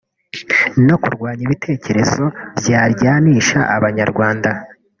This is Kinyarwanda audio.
no kurwanya ibitekerezo byaryanishja Abanyarwanda